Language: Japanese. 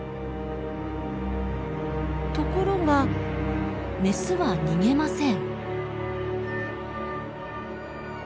ところがメスは逃げません。